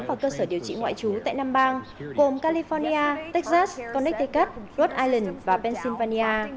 và cơ sở điều trị ngoại trú tại năm bang gồm california texas connecticut rhode island và pennsylvania